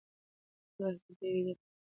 ایا تاسي د دې ویډیو په اړه پوهېږئ؟